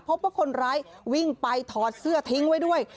พบว่าคนร้ายวิ่งไปถอดเสื้อทิ้งไว้ด้วย